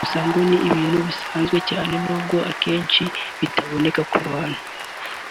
gusa ngo ni ibintu bisanzwe cyane n’ubwo akenshi bitaboneka ku bantu